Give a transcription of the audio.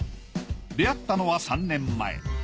出会ったのは３年前。